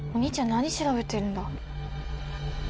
何調べてるんだ？